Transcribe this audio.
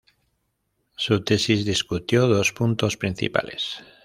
Su tesis discutió dos puntos principales.